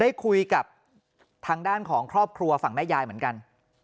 ได้คุยกับทางด้านของครอบครัวฝั่งแม่ยายเหมือนกัน